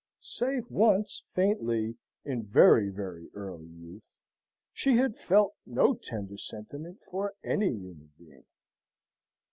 Save once, faintly, in very very early youth, she had felt no tender sentiment for any human being.